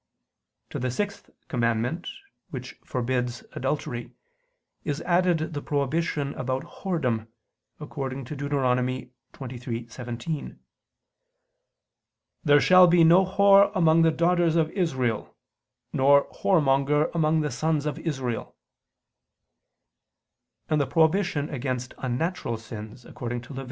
To the sixth commandment which forbids adultery, is added the prohibition about whoredom, according to Deut. 23:17: "There shall be no whore among the daughters of Israel, nor whoremonger among the sons of Israel"; and the prohibition against unnatural sins, according to Lev.